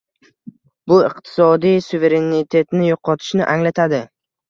Bu iqtisodiy suverenitetni yo'qotishni anglatadi